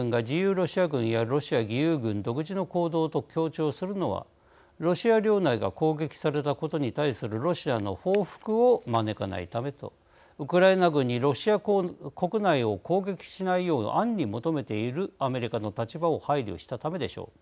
ロシア軍やロシア義勇軍独自の行動と強調するのは、ロシア領内が攻撃されたことに対するロシアの報復を招かないためとウクライナ軍にロシア国内を攻撃しないよう暗に求めているアメリカの立場を配慮したためでしょう。